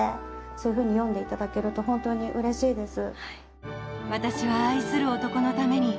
そういうふうに読んでいただけると本当にうれしいです。